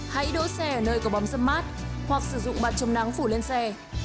hãy đổ xe ở nơi có bóng sâm mát hoặc sử dụng bạc trông nắng phủ lên xe